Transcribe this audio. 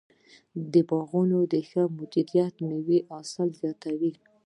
د باغونو ښه مدیریت د مېوو حاصل زیاتوي.